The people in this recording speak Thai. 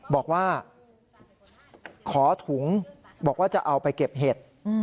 บอกว่าขอถุงบอกว่าจะเอาไปเก็บเห็ด